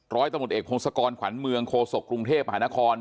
ร้อยตมเอกพงศกรขวานเมืองโคศกกรุงเทพหานคร